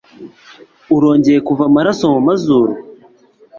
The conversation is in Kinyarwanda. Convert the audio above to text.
Urongeye kuva amaraso mu mazuru.